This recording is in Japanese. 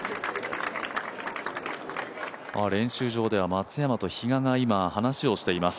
練習場では松山と比嘉が今、話をしています。